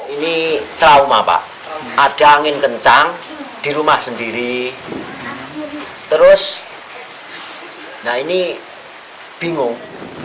ini trauma pak ada angin kencang di rumah sendiri terus nah ini bingung